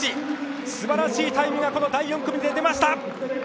すばらしいタイムがこの第４組で出ました。